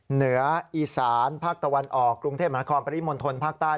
เหนืออีสานภาคตะวันออกกรุงเทพมหานครปริมณฑลภาคใต้